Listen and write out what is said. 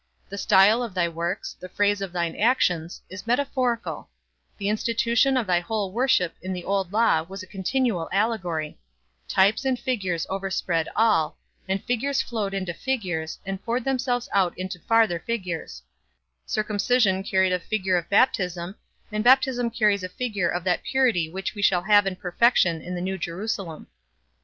The style of thy works, the phrase of thine actions, is metaphorical The institution of thy whole worship in the old law was a continual allegory; types and figures overspread all, and figures flowed into figures, and poured themselves out into farther figures; circumcision carried a figure of baptism, and baptism carries a figure of that purity which we shall have in perfection in the new Jerusalem.